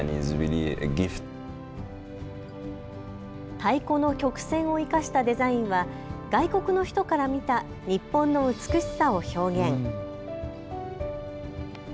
太鼓の曲線を生かしたデザインは外国の人から見た日本の美しさを表現。